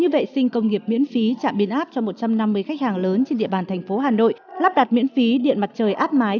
lớn trên địa bàn thành phố hà nội lắp đặt miễn phí điện mặt trời áp mái